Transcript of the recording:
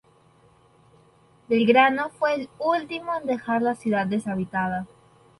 Belgrano fue el último en dejar la ciudad deshabitada.